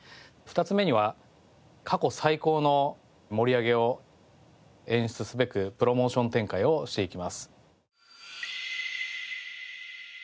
２つ目には過去最高の盛り上げを演出すべくプロモーション展開をしていきます。